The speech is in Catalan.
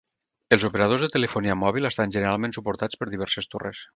Els operadors de telefonia mòbil estan generalment suportats per diverses torres.